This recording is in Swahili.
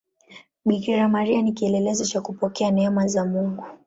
Bikira Maria ni kielelezo cha kupokea neema za Mungu.